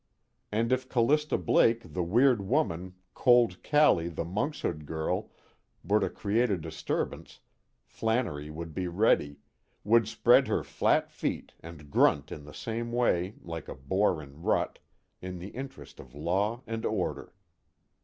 And if Callista Blake the Weird Woman, Cold Callie the Monkshood Girl, were to create a disturbance, Flannery would be ready, would spread her flat feet and grunt in the same way, like a boar in rut, in the interest of law and order.